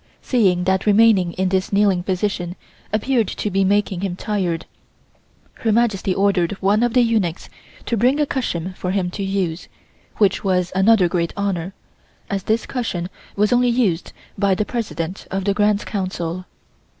Seeing that remaining in this kneeling position appeared to be making him tired, Her Majesty ordered one of the eunuchs to bring a cushion for him to use, which was another great honor, as this cushion was only used by the President of the Grand Council.